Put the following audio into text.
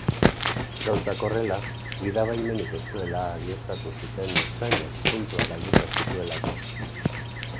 Gauzak horrela, gidabaimenik ez zuela egiaztatu zuten ertzainek, puntuak galduta zituelako.